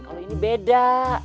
kalau ini beda